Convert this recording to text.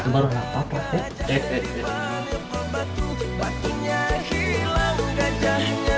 baru anak papa